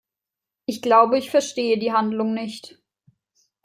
Ich glaube, ich verstehe die Handlung nicht.